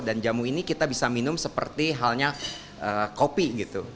dan jamu ini kita bisa minum seperti halnya kopi gitu